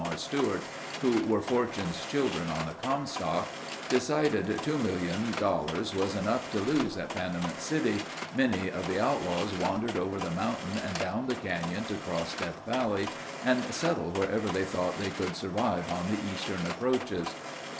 R. Stewart, who were Fortune's children on the Comstock, decided $2,000,000 was enough to lose at Panamint City, many of the outlaws wandered over the mountain and down the canyon to cross Death Valley and settle wherever they thought they could survive on the eastern approaches.